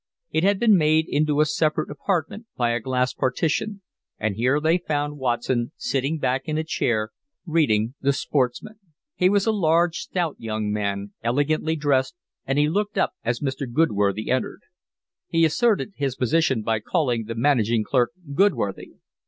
It had been made into a separate apartment by a glass partition, and here they found Watson sitting back in a chair, reading The Sportsman. He was a large, stout young man, elegantly dressed, and he looked up as Mr. Goodworthy entered. He asserted his position by calling the managing clerk Goodworthy.